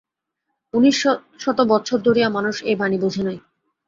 উনিশ শত বৎসর ধরিয়া মানুষ এই বাণী বোঝে নাই।